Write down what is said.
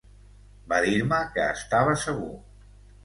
Va dir-me que estava segur.